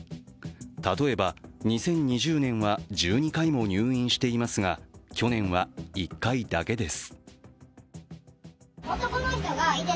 例えば２０２０年は１２回も入院していますが去年は１回だけです。